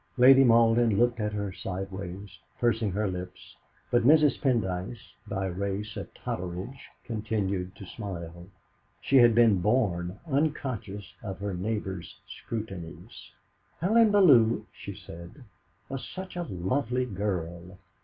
Lady Malden looked at her sideways, pursing her lips; but Mrs. Pendyce, by race a Totteridge, continued to smile. She had been born unconscious of her neighbours' scrutinies. "Helen Bellew," she said, "was such a lovely girl.